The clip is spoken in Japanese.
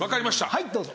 はいどうぞ。